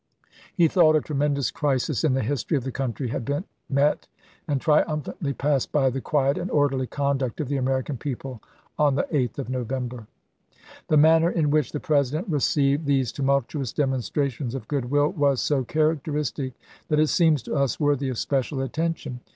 He thought a tremendous crisis in the his tory of the country had been met and triumphantly passed by the quiet and orderly conduct of the American people on the 8th of November. The manner in which the President received these tumultuous demonstrations of good will was so characteristic that it seems to us worthy of special attention.